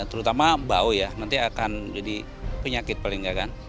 terutama bau ya nanti akan jadi penyakit paling ya kan